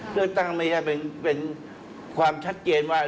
เลือกตั้งไม่ได้เป็นความชัดเจนว่า